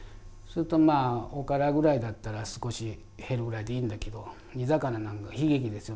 おからぐらいだったら少し減るぐらいでいいんだけど煮魚なんか悲劇ですよ。